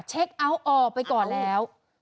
เชอกเอาออกไปก่อนแล้ว